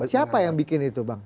siapa yang bikin itu bang